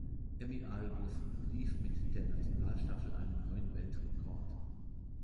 Emmy Albus lief mit der Nationalstaffel einen neuen Weltrekord.